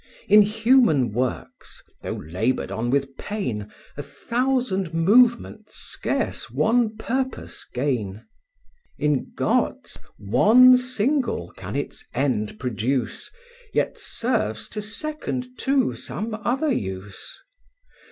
In human works, though laboured on with pain, A thousand movements scarce one purpose gain; In God's one single can its end produce; Yet serves to second too some other use.